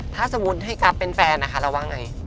ถ้าสมมุติให้กลับเป็นแฟนนะคะเราว่าไง